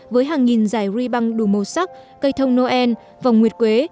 với hàng nghìn giải ri băng đủ màu sắc cây thông noel vòng nguyệt quế